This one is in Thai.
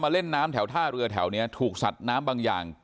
เล่นน้ำแถวท่าเรือแถวนี้ถูกสัตว์น้ำบางอย่าง